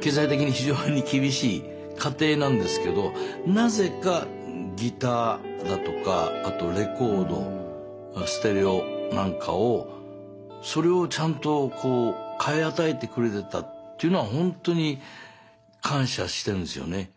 経済的に非常に厳しい家庭なんですけどなぜかギターだとかあとレコードステレオなんかをそれをちゃんと買い与えてくれてたっていうのはほんとに感謝してるんですよね。